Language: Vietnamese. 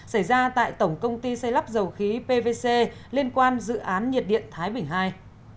xảy ra tại tổng công ty xây lắp dầu khí pvc liên quan dự án nhiệt điện thái bình ii